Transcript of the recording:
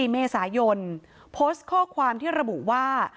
๔เมษายนโพสต์ข้อความที่ระบุว่า